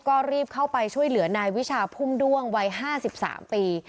ก็รีบเข้าไปช่วยเหลือนายวิชาพุ่มด้วงวัย๕๓ปี